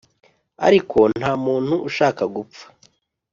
ariko ntamuntu ushaka gupfa